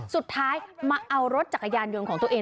สุดท้ายมาเอารถจักรยานยนต์ของตัวเอง